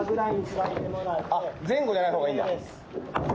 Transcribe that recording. あっ、前後じゃないほうがいいんだ？